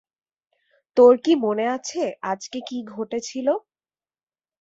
তোর কি মনে আছে আজকে কী ঘটেছিল?